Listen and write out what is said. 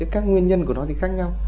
các nguyên nhân của nó thì khác nhau